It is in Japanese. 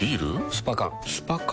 スパ缶スパ缶？